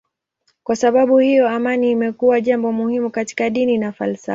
Kwa sababu hiyo amani imekuwa jambo muhimu katika dini na falsafa.